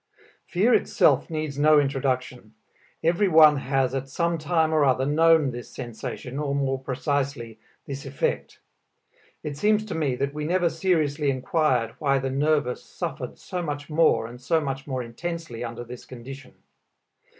Fear itself needs no introduction; everyone has at some time or other known this sensation or, more precisely, this effect. It seems to me that we never seriously inquired why the nervous suffered so much more and so much more intensely under this condition.